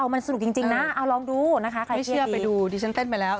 มันสนุกจริงนะเอาลองดูนะคะใครไม่เชื่อไปดูดิฉันเต้นไปแล้ว